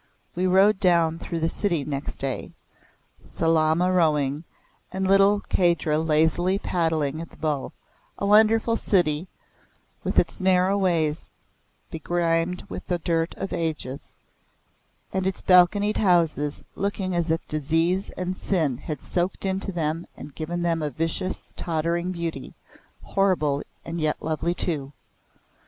We rowed down through the city next day Salama rowing, and little Kahdra lazily paddling at the bow a wonderful city, with its narrow ways begrimed with the dirt of ages, and its balconied houses looking as if disease and sin had soaked into them and given them a vicious tottering beauty, horrible and yet lovely too.